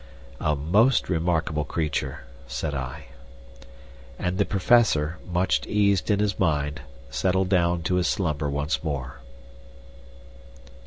"A most remarkable creature," said I. And the Professor, much eased in his mind, settled down to his slumber once more.